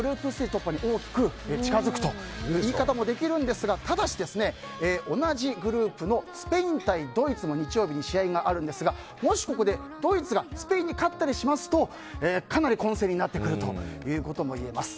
突破に大きく近づくという言い方もできるんですがただし、同じグループのスペイン対ドイツも日曜日に試合があるんですがもし、ここでドイツがスペインに勝ったりしますとかなり混戦になってくるということもいえます。